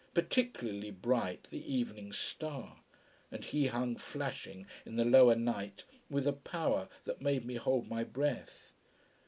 Particularly bright the evening star. And he hung flashing in the lower night with a power that made me hold my breath.